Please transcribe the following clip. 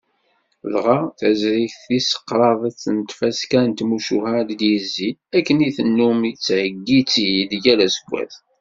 Dɣa d taẓrigt tis kraḍet n tfaska n tmucuha i d-yezzin, akken i tennum tettheyyi-tt-id yal aseggas.